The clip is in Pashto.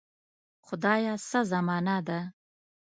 خدایه څه زمانه ده.